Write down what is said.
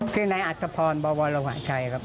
คือนายอัตภพรบวรหะชัยครับ